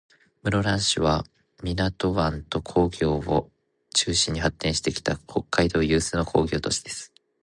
室蘭市は、港湾と工業を中心に発展してきた、北海道有数の工業都市です。